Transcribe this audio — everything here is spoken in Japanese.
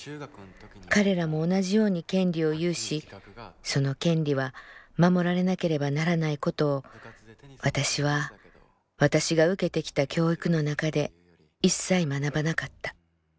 彼らも同じように権利を有しその権利は守られなければならないことを私は私が受けてきた教育の中でいっさい学ばなかった」。